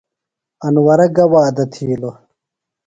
انورہ گہ وعدہ تِھیلوۡ؟